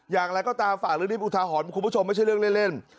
อย่างไรก็ฝากเรื่องอุทหรณ์ใหม่ขอบคุณผู้ชมไม่ใช่เรื่องเล่น